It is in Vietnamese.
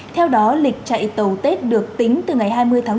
theo đó lịch chạy tàu tết được tính từ ngày hai mươi tháng bốn